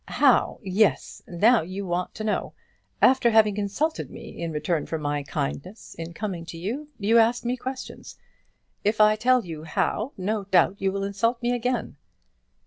"How? Yes. Now you want to know. After having insulted me in return for my kindness in coming to you, you ask me questions. If I tell you how, no doubt you will insult me again."